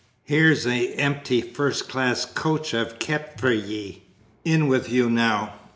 Here's a empty first class coach I've kept for ye. In with you now."